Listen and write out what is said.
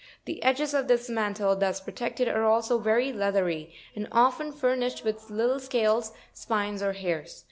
The edges of this mantle, thus protected, are also very leathery, and often furnished with little scales, spines, or hairs.